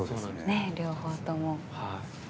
両方とも。